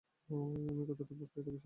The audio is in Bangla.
আমি কতটা বোকা, এটা বিশ্বাস করলাম!